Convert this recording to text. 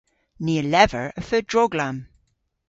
Ni a lever y feu droglamm.